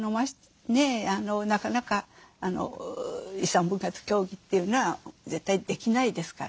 なかなか遺産分割協議っていうのは絶対できないですからね。